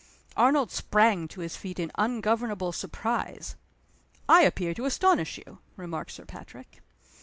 Arnold sprang to his feet in ungovernable surprise. "I appear to astonish you," remarked Sir Patrick.